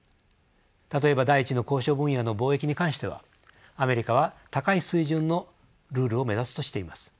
例えば第１の交渉分野の貿易に関してはアメリカは高い水準のルールを目指すとしています。